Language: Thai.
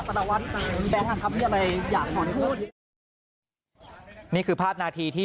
พระวัติแบงค์อ่ะครับมีอะไรอยากขอบคุณนี่คือภาพนาทีที่